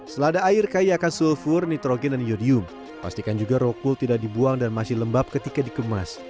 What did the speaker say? selada air kaya akan sulfur nitrogen dan yodium pastikan juga rokul tidak dibuang dan masih lembab ketika dikemas